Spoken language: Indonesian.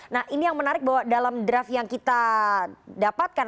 nah ini yang menarik bahwa dalam draft yang kita dapatkan